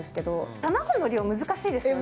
卵の量、難しいですよね。